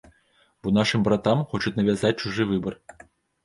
Бо нашым братам хочуць навязаць чужы выбар.